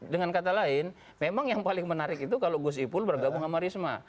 dengan kata lain memang yang paling menarik itu kalau gus ipul bergabung sama risma